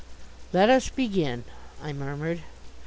"Let us begin," I murmured.